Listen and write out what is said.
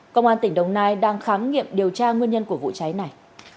công an tỉnh đồng nai đang khám nghiệm điều tra nguyên nhân của vụ cháy này